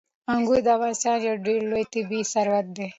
انګور د افغانستان یو ډېر لوی طبعي ثروت دی.